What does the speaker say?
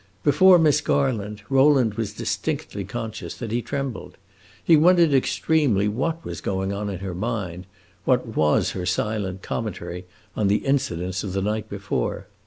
Before Miss Garland, Rowland was distinctly conscious that he trembled. He wondered extremely what was going on in her mind; what was her silent commentary on the incidents of the night before.